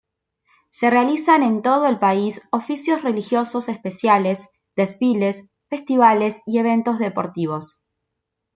Se realizan en todo el país oficios religiosos especiales, desfiles, festivales y eventos deportivos.